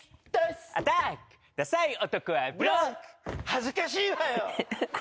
恥ずかしいわよ